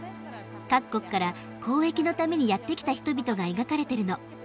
各国から交易のためにやって来た人々が描かれてるの。